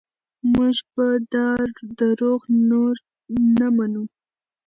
موږ به دا دروغ نور نه منو.